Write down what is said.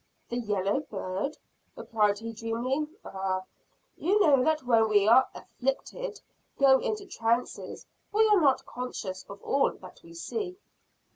"The yellow bird!" replied he dreamily. "Ah! you know that when we that are 'afflicted' go into trances, we are not conscious of all that we see."